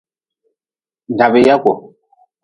Dabyaku.